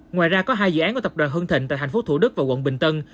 ngoài ra có hai dự án của tập đoàn hưng thịnh tại thành phố thủ đức và quận bình tân